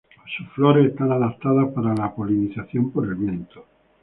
Sus flores están adaptadas para la polinización por el viento.